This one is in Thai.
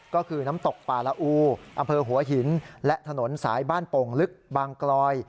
ก็คือน้ำตกป่าละอูอำเภอหัวหินและถนนสายบ้านโป่งลึกบางกลอย